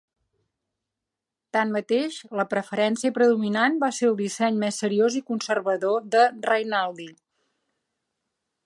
Tanmateix, la preferència predominant va ser el disseny més seriós i conservador de Rainaldi.